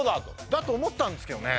だと思ったんですけどね。